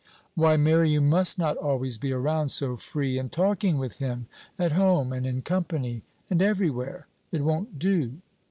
"Why, Mary, you must not always be around so free in talking with him, at home, and in company, and every where. It won't do."